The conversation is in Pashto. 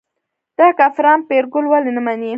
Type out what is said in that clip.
دا کافران پیرګل ولې نه مني.